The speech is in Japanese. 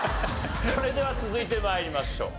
それでは続いて参りましょう。